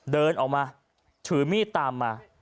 เดินออกมาถือมีดตามมา